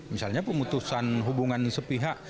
misalnya pemutusan hubungan sepihak